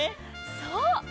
そう。